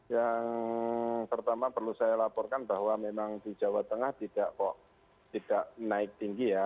yang pertama perlu saya laporkan bahwa memang di jawa tengah tidak kok tidak naik tinggi ya